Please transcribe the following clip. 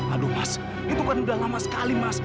aduh mas itu kan udah lama sekali mas